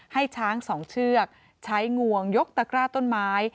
ให้ช้าง๒เชือกใช้งวงยกตะกร้าต้นไม้